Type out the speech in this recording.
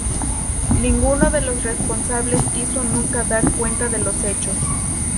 Ninguno de los responsables quiso nunca dar cuenta de los hechos.